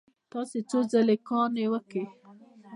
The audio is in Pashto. تاسو څو ځلې کانګې وکړې؟